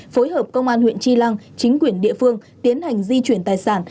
phối hợp công an huyện tri lăng chính quyền địa phương tiến hành di chuyển tài sản